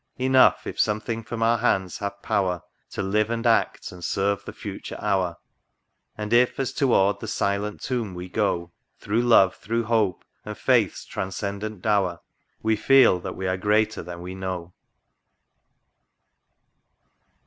Enough, if something from our hands have power To live, and act, and serve the future hour ; And if, as tow'rd the silent tomb we go, Thro' love, thro' hope, and faith's transcendant dower, We feel that we are greater than we know.